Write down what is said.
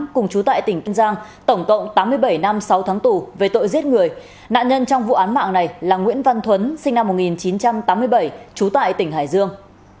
cùng chú tại tỉnh kiên giang tổng cộng tám mươi bảy năm sáu tháng tù về tội giết người nạn nhân trong vụ án mạng này là nguyễn văn thuấn sinh năm một nghìn chín trăm tám mươi bảy trú tại tỉnh hải dương